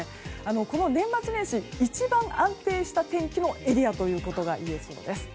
この年末年始、一番安定したエリアといえそうです。